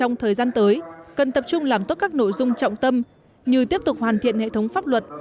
trong thời gian tới cần tập trung làm tốt các nội dung trọng tâm như tiếp tục hoàn thiện hệ thống pháp luật